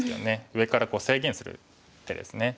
上から制限する手ですね。